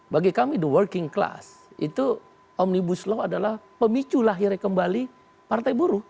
bagi kami the working class itu omnibus law adalah pemicu lahirnya kembali partai buruh